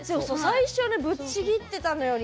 最初ねぶっちぎってたのよ